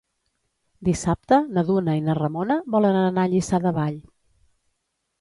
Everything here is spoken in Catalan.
Dissabte na Duna i na Ramona volen anar a Lliçà de Vall.